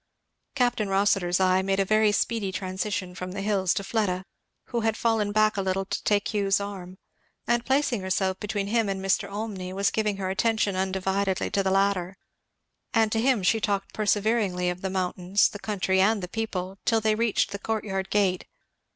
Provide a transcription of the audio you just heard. Capt. Rossitur's eye made a very speedy transition from the hills to Fleda, who had fallen back a little to take Hugh's arm and placing herself between him and Mr. Olmney was giving her attention undividedly to the latter. And to him she talked perseveringly, of the mountains, the country, and the people, till they reached the courtyard gate.